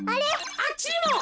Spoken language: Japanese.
あっちにも！